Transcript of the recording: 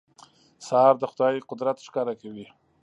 سهار د خدای قدرت ښکاره کوي.